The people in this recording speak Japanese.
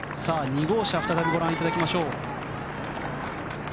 ２号車、再びご覧いただきましょう。